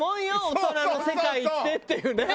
大人の世界ってっていうね。